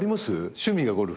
趣味がゴルフ。